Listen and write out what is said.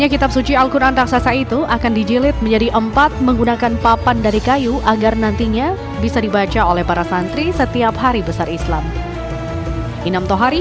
kiai haji ali shamsudin yusuf hussein